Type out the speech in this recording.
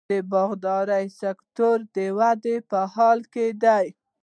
د باغدارۍ سکتور د ودې په حال کې دی.